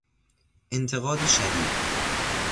انتقاد شدید